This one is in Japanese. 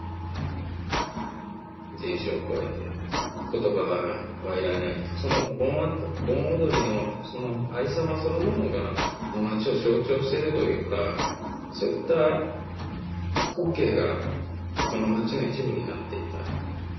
人種を超えて、ことばはいらないと、その盆踊りのそのありさまそのものが、街を象徴しているというか、そういった風景がこの街の一部になっていた。